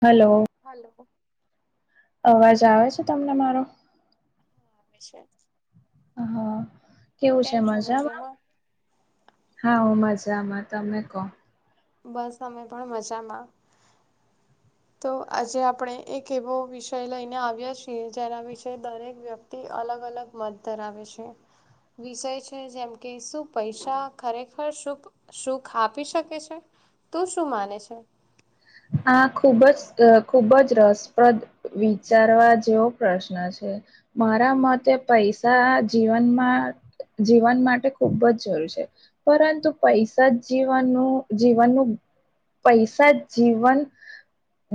Hello hello અવાજ આવે છે તમને મારો? આવે છે હા કેવું છે કેમ છો મજામાં? હા હું મજામાં તમને કહો બસ અમે પણ મજામાં તો આજે આપણે એક એવો વિષય લઈને આવ્યા છીએ જેના વિશે દરેક વ્યક્તિ તી અલગ અલગ મત ધરાવે છે. વિષય છે જેમ કે શું પૈસા ખરેખર સુખ સુખ આપી શકે છે તું શું માને છે? આ ખૂબ જ અહ ખુબ જ રસપ્રદ વિચારવા જેવો પ્રશ્ન છે મારા મતે પૈસા જીવનમાં જીવન માટે ખુબ જ જરૂર છે પરંતુ પૈસા જ જીવનું જીવનનું પૈસા જ જીવન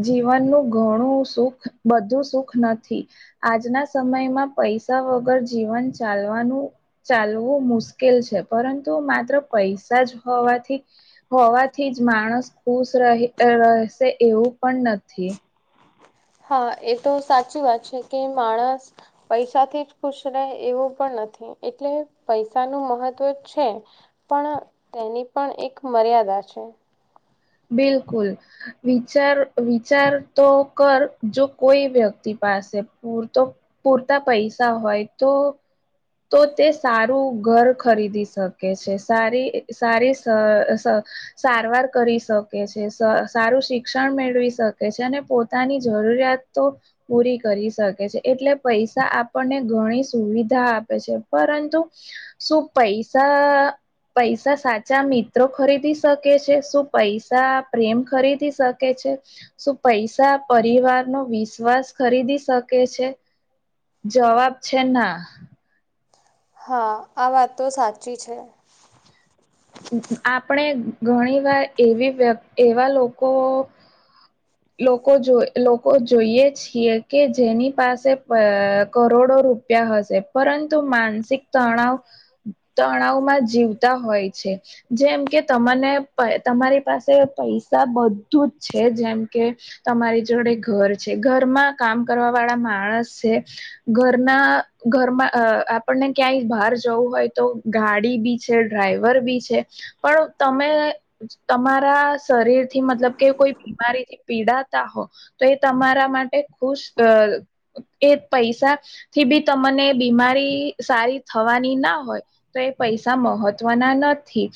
જીવનનું ઘણું સુખ બધું સુખ નથી આજના સમયમાં પૈસા વગર જીવન ચાલવાનું ચાલવું મુશ્કેલ છે પરંતુ માત્ર પૈસા જ હોવાથી હોવાથી જ માણસ ખુશ રહે રહેશે એવું પણ નથી. હા એ તો સાચી વાત છે કે માણસ પૈસાથી જ ખુશ રહે એવું પણ નથી એટલે પૈસાનું મહત્ત્વ છે પણ તેની પણ એક મર્યાદા છે બિલકુલ વિચાર વિચાર તો કર જો કોઈ વ્યક્તિ પાસે પૂરતો પૂરતા પૈસા હોય તો તો તે સારું ઘર ખરીદી શકે છે, સારી સારી સ સ સારવાર કરી શકે છે, સ સારું શિક્ષણ મેળવી શકે છે અને પો તાની જરૂરિયાત તો પૂરી કરી શકે છે. એટલે પૈસા આપણને ઘણી સુવિધા આપ આપે છે. પરંતુ શું પૈસા પૈસા સાચા મિત્રો ખરીદી શકે છે, શું પૈસા પ્રેમ ખરીદી શકે છે? શું પૈસા પરિવારનો વિશ્વાસ ખરીદી શકે છે? જવાબ છે ના. હા, આ વાત તો સાચી છે. આપણે ઘણી વાર એવી વ્ય, એવા લોકો લોકો જો લોકો જોઈએ છીએ કે જેની પાસે ક કરોડો રૂ ત્યાં હશે પરંતુ માનસિક તણાવ તણાવ માં જીવતા હોય છે. જેમ કે તમને તમારી પાસે પૈસા બધું જ છે જેમ કે તમારી જોડે ઘર છે, ઘરમાં કામ કરવા વાળા માણસ છે. ઘરના ઘરમાં અ આપણને ક્યાંય બહાર જવું હોય તો ગાડી બી છે, ડ્રાઈવર બી છે. પણ તમે તમારા શરીર થી મતલબ કે કોઈ બીમારીથી પીડાતા હો તો એ તમારા માટે ખુશ અ એ પૈસા થી બી તમને બીમારી સારી થવાની ના હોય. તો એ પૈસા મહત્વના નથી.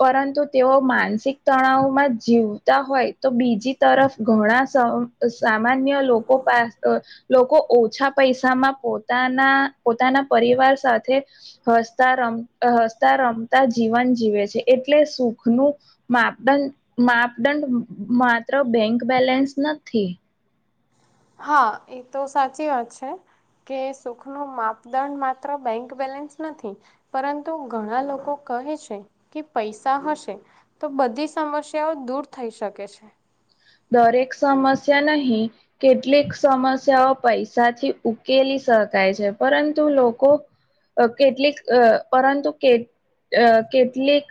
પરંતુ તેઓ માનસિક તણાવમાં જીવતા હોય તો બીજી તરફ ઘણા સ સામાન્ય લોકો પા લોકો ઓછા પૈસામાં પોતાના પોતાના પરિવાર સાથે હસતા, રમ હસતા રમતા જીવન જીવે છે એટલે સુખનું માપદંડ, માપદંડ માત્ર બેંક બેલેન્સ નથી. હા, એ તો સાચી વાત છે. કે સુખનો માપદંડ માત્ર બેંક બેલેન્સ નથી. પરંતુ ઘણા લોકો કહે છે કે પૈસા હશે. તો બધી સમસ્યાઓ દૂર થઈ શકે છે. દરેક સમસ્યા નહી. કેટલીક સમસ્યાઓ પૈસાથી ઉકેલી શકાય છે. પરંતુ લોકો કેટલીક અ પરંતુ કે અ કેટલીક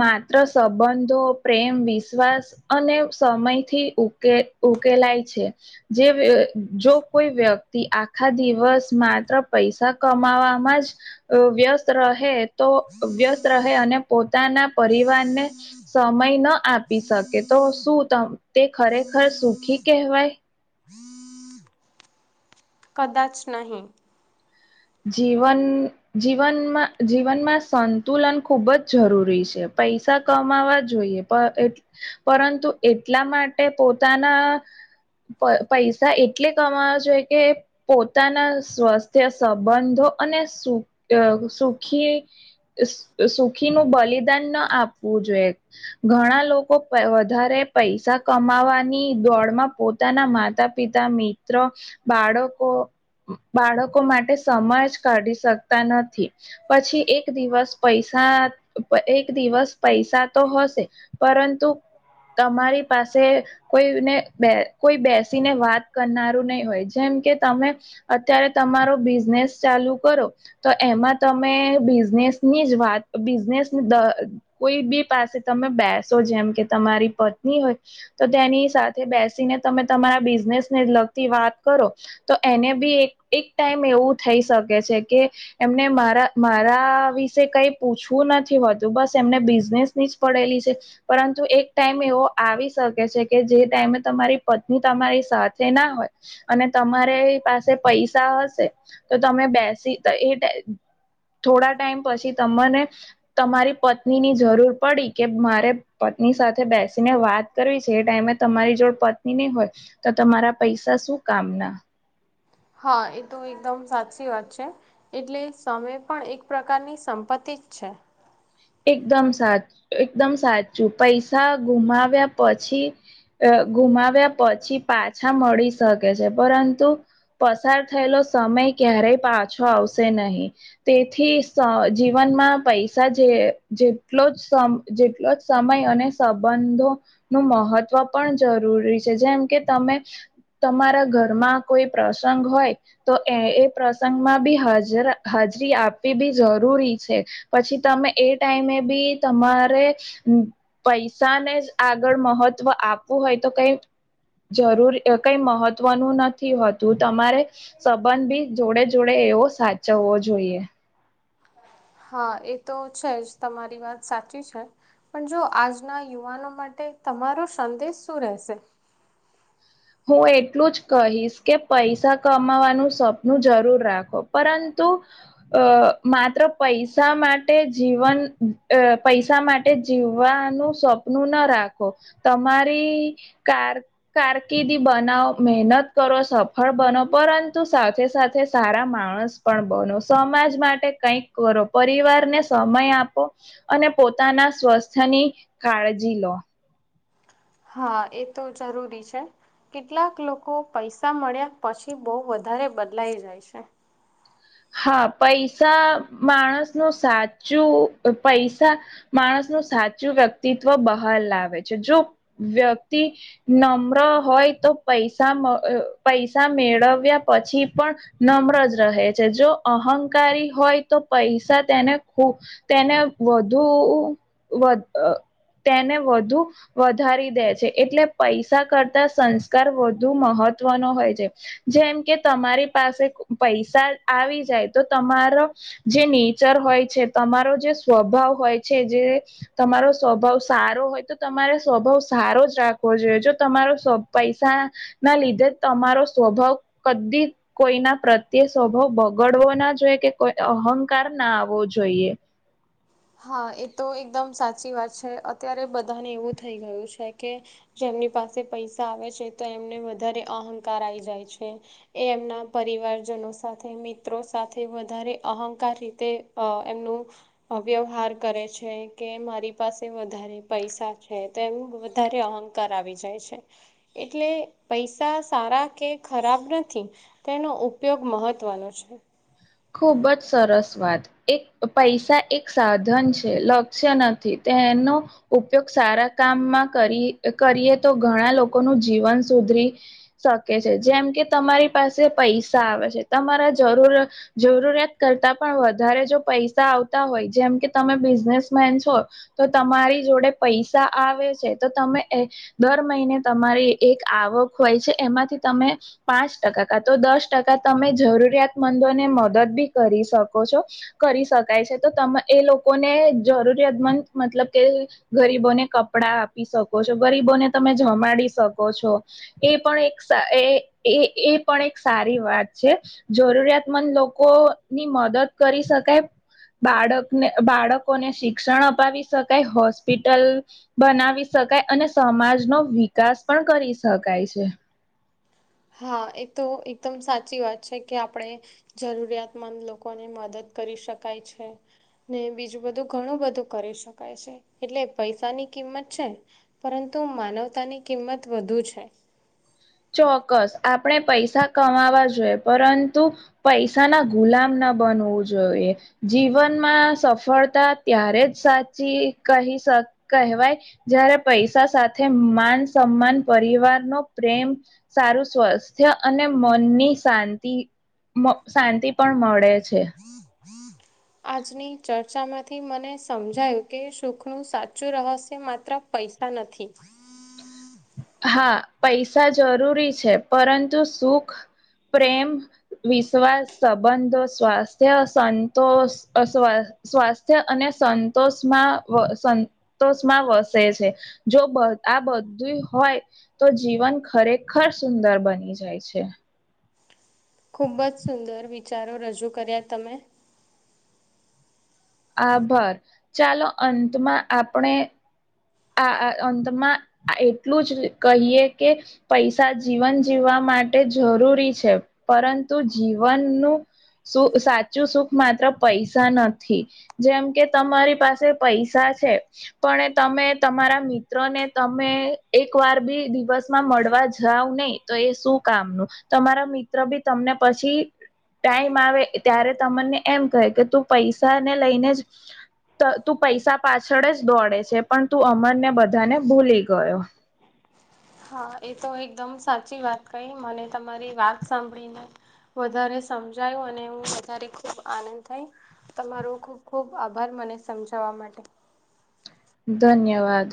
માત્ર સંબંધો, પ્રેમ, વિશ્વાસ અને સમય થી ઉકેલ ઉકેલાય છે. જે જો કોઈ વ્યક્તિ આખા દિવસ માત્ર પૈસા કમાવામાં જ વ્યસ્ત રહે તો વ્યસ્ત રહે અને પોતાના પરિવારને સમય ન આપી શકે, તો શું તે ખરેખર સુખી કહેવાય? કદાચ નહીં. જીવન જીવનમાં જીવનમાં સંતુલન ખુબ જ જરૂરી છે, પૈસા કમાવા જોઈએ. પરંતુ એટલા માટે પોતાના પૈસા એટલે કમાવા જોઈએ કે પોતાના સ્વાસ્થ્ય સંબંધો અને સુ અ સુખી તે અહ સુખી નું બલિદાન ન આપવું જોએ. ઘણા લોકો વધારે પૈસા કમાવાની દોડમાં પો તાના માતા પિતા મિત્રો બાળકો બાળકો મા ટે તે સય જ કાઢી શકતા નથી પછી એક દિવસ પૈસા પ એક દિવસ પૈસા તો હશે પરંતુ તમારી પાસે કોઈને બે કોઈ બેસીને વાત કરનારું નહી હોય જેમ કે તમે અત્યારે તમારો બિઝનેસ ચાલુ કરો તો એમાં તમે બિઝનેસની જ વાત બિઝનેસ દઅહ કોઈ બી પાસે તમે બેસો જેમ કે તમારી પત્ની હોય તો તેની સાથે બેસીને તમે તમારા બિઝનેસ ને લગતી વાત કરો તો એને બી એક એક ટાઈમ એવું થઈ શકે છે કે એમને મારા મારા વિશે કઈ પૂછવું નથી હોતું બસ એમને બિઝનેસ ની જ પડેલી છે. પરંતુ એક ટાઈમ એવો આવી શકે છે કે જે ટાઈમે તમારી પત્ની તમારી સાથે ના હોય અને તમારે પાસે પૈસા હશે તો તમે બેસી તો એ ટે થોડા ટાઈમ પછી તમને તમારી પત્ની ની જરૂર પડી કે મારે પત્ની સાથે બેસીને વાત કરવી છે એ ટાઈમે તમારી જોડ પત્ની નહી હોય તો તમારા પૈસા શું કામના. હા, એ તો એકદમ સાચી વાત છે. એટલે સમય પણ એક પ્રકારની સંપત્તિ જ છે. એકદમ સાચ એકદમ સાચું પૈસા ગુમાવ્યા પછી અહ ગુમાવ્યા પછી પાછા મળી શકે છે પરંતુ પસાર થયેલો સમય ક્યારેય પાછો આવશે નહીં. તેથી સ અહ જીવનમાં પૈસા જે જેટલો જ સમ જેટલો જ સમય અને સંબંધો નું મહત્વ પણ જરૂરી છે જેમ કે તમે તમારા ઘરમાં કોઈ પ્રસંગ હોય તો એ એ પ્રસંગમાં બી હાજર હાજરી આપવી બી જરૂરી છે. પછી તમે એ ટાઈમે બી તમારે પૈસા ને જ આગળ મહત્વ આપવું હોય તો કઈ જરૂર કઈ મહત્વનું નથી હોતું તમારે સંબંધ બી જોડે જોડે એવો સાચવવો જોઈએ. હા, એ તો છે જ તમારી વાત સાચી છે. પણ જો આજના યુવાનો માટે તમારો સંદેશ શું રહેશે? હું એટલું જ કહીશ કે પૈસા કમાવાનું સપનું જરૂર રાખો પરંતુ અહ માત્ર પૈસા માટે જીવન અહ પૈસા માટ એ જીવવાનું સપનું ના રાખો તમારી કાર કાર કીદી બનાવ મહેનત કરો સફળ બનો પરંતુ સાથે સાથે સારા માણસ પણ બનો સમાજ માટે કઈક કરો પરિવારને સમય આપો અને પોતાના સ્વસ્થની કાળજી લો. હા, એ તો જરૂરી છે. કેટલાક લોકો પૈસા મળ્યા પછી બહુ વધારે બદલાઈ જાય છે. હા, પૈસા માણસનું સાચું પૈસા માણસનું સાચું વ્યક્તિત્વ બહાર લાવે છે જો વ્યક્તિ નમ્ર હોય તો પૈસા મ અહ પૈસા મેળવ્યા પછી પણ નમ્ર જ રહે છે જો અહંકારી હોય તો પૈસા તેને ખૂબ તેને વધુ અ અ તેને વધુ વધારી દે છે એટલે પૈસા કરતા સંસ્કાર વધુ મહત્વનો હોય છે જેમ કે તમારી પાસે પૈસા આવી જાય તો તમારો જે નેચર હોય છે તમારો જે સ્વભાવ હોય છે જે તમારો સ્વભાવ સારો હોય તો તમારે સ્વભાવ સારો જ રાખવો જોઈએ જો તમારો પૈસા ના લીધે તમારો સ્વભાવ કદી કોઈના પ્રત્યે સ્વભાવ બહુ બગડવો ના જોઈએ કે કોઈ અહંકાર ના આવવો જોઈએ હા એ તો એકદમ સાચી વાત છે અત્યારે બધાને એવું થઈ ગયું છે કે જેમની પાસે પૈસા આવે છે તો એમને વધારે અહંકાર આઈ જાય છે એ એમના પરિવારજનો સાથે મિત્રો સાથે વધારે અહંકાર રીતે આ એમનું વ્યવહાર કરે છે કે મારી પાસે વધારે પૈસા છે તો એમ વધારે અહંક કરાવી જાય છે એટલે પૈસા સારા કે ખરાબ નથી તેનો ઉપયોગ મહત્વનો છે ખૂબ જ સરસ વાત એક પૈસા એક સાધન છે લક્ષ્ય નથી તેનો ઉપયોગ સારા કામમાં કરી કરીએ તો ઘણા લોકોનું જીવન સુધરી શકે છે જેમ કે તમારી પાસે પૈસા આવે છે તમારા જરૂરત જરૂરિયાત કરતા પણ વધારે જો પૈસા આવતા હોય જેમ કે તમે બિઝનેસમેન છો તો તમારી જોડે પૈસા આવે છે તો તમે દર મહિને તમારી એક આવક હોય છે એમાંથી તમે પાંચ ટકા કા તો દસ ટકા તમે જરૂરિયાતમંદોને મદદ બી કરી શકો છો કરી શકાય છે તો ત એ લોકોને જરૂરિયાતમંદ મતલબ કે ગરીબોને કપડા આપી શકો છો ગરીબોને તમે જમાડી શકો છો એ પણ એક એ એ પણ એક સારી વાત છે જરૂરિયાતમંદ લોકો લોકો ની મદદ કરી શકાય બાળકને બાળકોને શિક્ષણ અપાવી શકાય હોસ્પિટલ બનાવી શકાય અને સમાજ નો વિકાસ પણ કરી શકાય છે હા એ તો એકદમ સાચી વાત છે કે આપણે જરૂરિયાતમંદ લોકોને મદદ કરી શકાય છે ને બીજું બધું ઘણું બધું કરી શકાય છે એટલે પૈસાની કિંમત છે ને પરંતુ માનવતાની કિંમત વધુ છે ચોક્કસ આપણે પૈસા કમાવા જોઈએ પરંતુ પૈસા ના ગુલામ ના બનવું જોઈએ જીવનમાં સફળતા ત્યારે જ સાચી કહી શકા કહેવાય જયારે પૈસા સાથે માન સમાન પરિવાર નો પ્રેમ સારું સ્વાસ્થ્ય અને મનની શાંતિ શાંતિ પણ મળે છે આજની ચર્ચામાંથી મને સમજાયું કે સુખનું સાચું રહસ્ય માત્ર પૈસા નથી હા પૈસા જરૂરી છે પરંતુ સુખ પ્રેમ વિશ્વાસ સંબંધો સ્વાસ્થ્ય સંતોષ અસ્વા સ્વાસ્થ્ય અને સંતોષમાં સંતોષ તોમાં વસે છે જો આ બધું હોય તો જીવન ખરેખર સુંદર બની જાય છે ખૂબ જ સુંદર વિચારો રજૂ કર્યા તમે આભર ચાલો અંતમાં આપણે આ અંતમાં એટલું જ કહીએ કે પૈસા જીવન જીવવા માટે જરૂરી છે પરંતુ જીવનનું સુ સાચું સુખ માત્ર પૈસા નથી જેમ કે તમારી પાસે પૈસા છે પણ તમે તમારા મિત્ર ને તમે એક વાર બી દિવસમાં મળવા જાવ નહી તો એ શું કામનું તમારા મિત્ર બી તમને પછી ટાઈમ આવે ત્યારે તમને એમ કહે કે તું પૈસા ને લઈને જ ત તું પૈસા પાછળ જ દોડે છે પણ તું અમને બધાને ભૂલી ગયો હા એ તો એકદમ સાચી વાત કઈ મને તમારી વાત સાંભળીને વધારે સમજાયું અને હું વધારે ખૂબ આનંદ થાય તમારો ખુબ ખુબ આભાર મને સમજાવવા માટે ધન્યવાદ